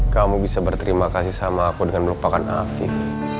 kamu bisa berterima kasih sama aku dengan melupakan afif